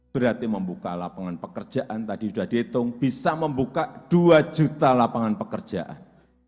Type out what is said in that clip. berarti membuka lapangan pekerjaan tadi sudah dihitung bisa membuka dua juta lapangan pekerjaan